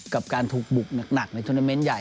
กับการถูกบุกหนักในทัวร์เทอร์เมนต์ใหญ่